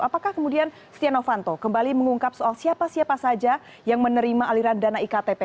apakah kemudian setia novanto kembali mengungkap soal siapa siapa saja yang menerima aliran dana iktp